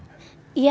hati hati di jalan